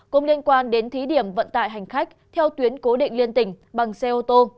cũng liên quan đến thí điểm vận tải hành khách theo tuyến cố định liên tỉnh bằng xe ô tô